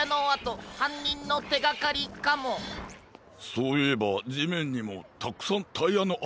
そういえばじめんにもたくさんタイヤのあとがあるな。